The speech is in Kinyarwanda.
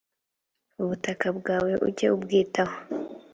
butaka bwawe ujye ubwitaho